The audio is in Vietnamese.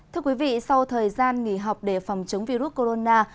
thưa quý vị sau thời gian nghỉ học để phòng chống virus corona